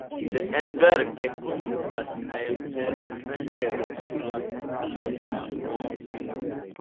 De Engelberg kondukas aertelfero sur la kulmino de la monto.